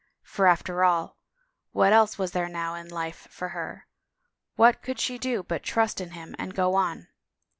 For after all, what else was there now in life for her, what could she do but trust in him and go on?